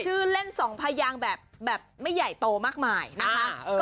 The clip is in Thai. เล่นสองพยางแบบไม่ใหญ่โตมากมายนะคะ